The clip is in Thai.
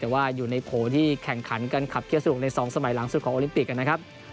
แต่ว่าอยู่ในโผล่ที่แข่งขันกันขับเคียสนุกใน๒สมัยหลังสุดของโอลิมปิกนะครับ